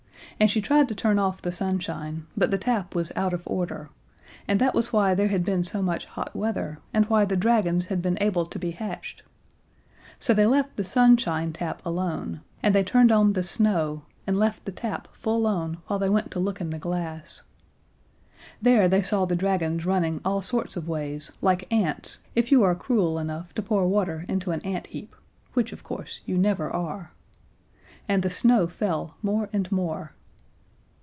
And she tried to turn off the sunshine, but the tap was out of order, and that was why there had been so much hot weather, and why the dragons had been able to be hatched. So they left the sunshine tap alone, and they turned on the snow and left the tap full on while they went to look in the glass. There they saw the dragons running all sorts of ways like ants if you are cruel enough to pour water into an ant heap, which, of course, you never are. And the snow fell more and more.